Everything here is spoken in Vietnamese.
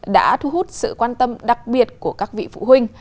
đã thu hút sự quan tâm đặc biệt của các vị phụ huynh